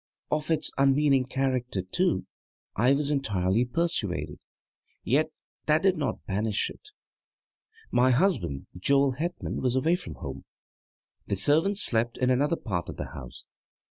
Of its unmeaning character, too, I was entirely persuaded, yet that did not banish it. My husband, Joel Hetman, was away from home; the servants slept in another part of the house.